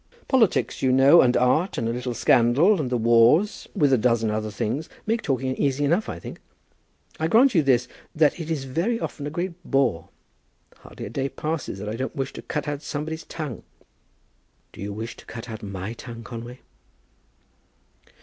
"Politics, you know, and art, and a little scandal, and the wars, with a dozen other things, make talking easy enough, I think. I grant you this, that it is very often a great bore. Hardly a day passes that I don't wish to cut out somebody's tongue." "Do you wish to cut out my tongue, Conway?"